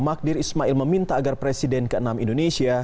magdir ismail meminta agar presiden ke enam indonesia